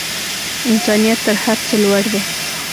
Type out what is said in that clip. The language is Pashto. انسانیت تر هر څه لوړ دی.